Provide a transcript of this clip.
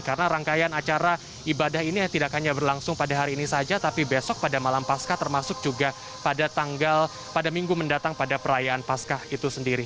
karena rangkaian acara ibadah ini tidak hanya berlangsung pada hari ini saja tapi besok pada malam pasca termasuk juga pada tanggal pada minggu mendatang pada perayaan pasca itu sendiri